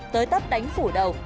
tới tắp đánh phủ đầu